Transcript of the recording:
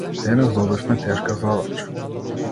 Денес добивме тешка задача.